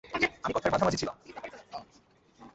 আমি কথার মাঝামাঝি ছিলাম।